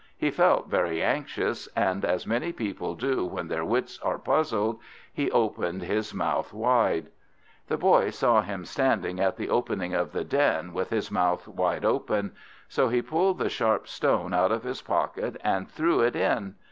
He felt very anxious, and as many people do when their wits are puzzled, he opened his mouth wide. The Boy saw him standing at the opening of the den, with his mouth wide open, so he pulled the sharp stone out of his pocket, and threw it in.